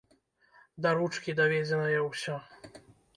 Да ручкі даведзенае ўсё.